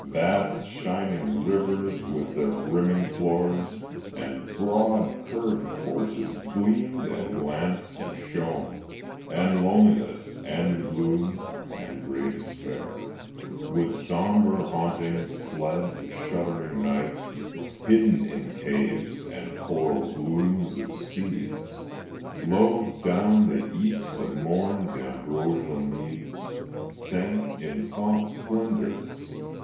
Vast shining rivers with their brimming floors And broad curved courses gleamed and glanced and shone, And loneliness and gloom and gray despair With sombre hauntings fled to shuddering night Hidden in caves and coral glooms of seas. Low down the east the morn's ambrosial meads Sank in soft splendors.